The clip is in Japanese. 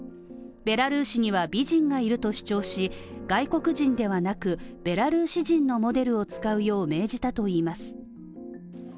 ベラルーシには美人がいると主張し、外国人ではなくベラルーシ人のモデルを使うよう命じたといいます。